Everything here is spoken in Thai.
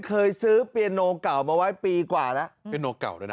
เคยซื้อเปียโนเก่ามาไว้ปีกว่าแล้วเปียโนเก่าแล้วนะ